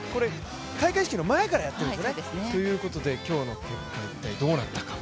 開会式の前からやってるんですよね、ということで今日の結果、一体どうなったか。